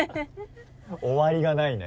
終わりがないね。